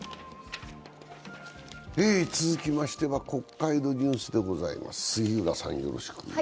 続きましては国会のニュースでございます。